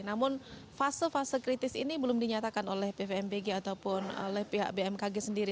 namun fase fase kritis ini belum dinyatakan oleh pvmbg ataupun oleh pihak bmkg sendiri